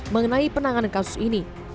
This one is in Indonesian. mengenai penanganan kasus ini